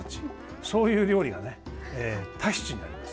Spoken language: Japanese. そういう料理がね、タヒチにあります。